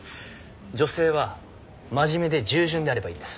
女性は真面目で従順であればいいんです。